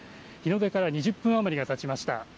日の出から２０分余りがたちました。